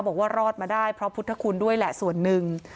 บอกว่ารอดมาได้เพราะพุทธคุณด้วยแหละส่วนหนึ่ง